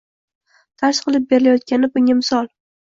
dars qilib berilayotgani bunga misol.